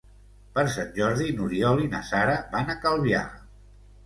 Per Sant Jordi n'Oriol i na Sara van a Calvià.